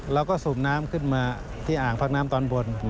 สูบน้ำขึ้นมาที่อ่างพักน้ำตอนบน